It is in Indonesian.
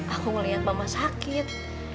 aku melihat mama sakit